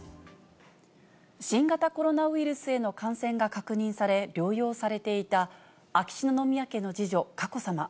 新型コロナウイルスへの感染が確認され、療養されていた秋篠宮家の次女、佳子さま。